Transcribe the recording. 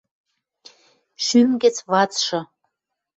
Шӱм гӹц вацшы